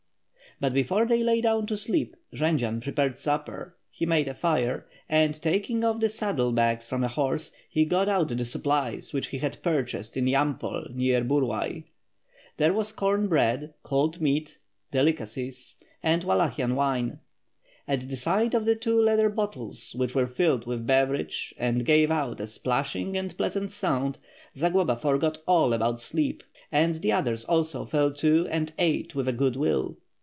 But before they lay down to sleep, Jendzian prepared supper; he made a fire, and taking off the saddle bags from a horse, he got out the supplies whioh he had purchased in Yampol, near Burky. There waa corn bread, cold meat, delicacies and Wallachian wine. At the sight of the two leather bottles, which were filled with beverage and gave out a splashing and pleasant sound, Zagloba forgot all about sleep, and the others also fell to and ate with a good will.